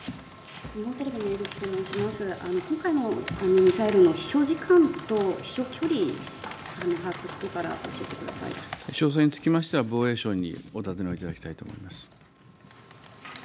今回のミサイルの飛しょう時間と飛しょう距離、把握していた詳細につきましては、防衛省にお尋ねをいただきたいと思います。